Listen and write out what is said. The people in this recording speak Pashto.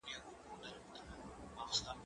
زه به سبا کتابتوننۍ سره وخت تېرووم!.